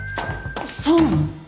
そうなの！？